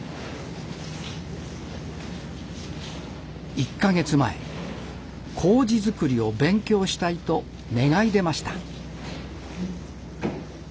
１か月前麹づくりを勉強したいと願い出ました。